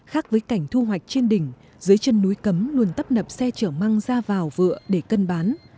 khác với cảnh thu hoạch trên đỉnh dưới chân núi cấm luôn tấp nập xe chở măng ra vào vựa để cân bán